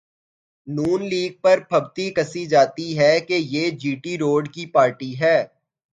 نون league پر پھبتی کسی جاتی ہے کہ یہ جی ٹی روڈ کی پارٹی ہے۔